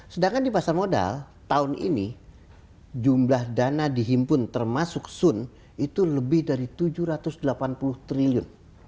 sedangkan di pasar modal tahun ini jumlah dana dihimpun termasuk sun itu lebih dari tujuh ratus delapan puluh triliun